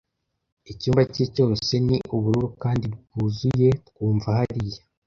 icyumba cye cyose ni ubururu kandi bwuzuye twumva hariya